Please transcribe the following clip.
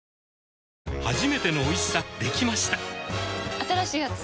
新しいやつ？